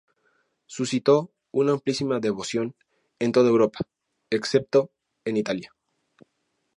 Suscitó una amplísima devoción en toda Europa, excepto en Italia.